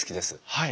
はい。